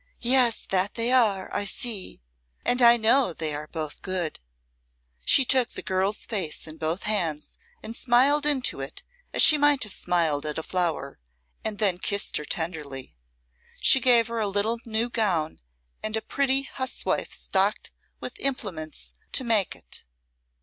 "Yes, that they are, I see. And I know they are both good." She took the girl's face in both hands and smiled into it as she might have smiled at a flower, and then kissed her tenderly. She gave her a little new gown and a pretty huswife stocked with implements to make it.